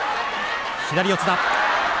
左四つだ。